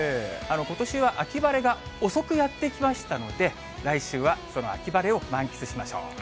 ことしは秋晴れが遅くやって来ましたので、来週はその秋晴れを満喫しましょう。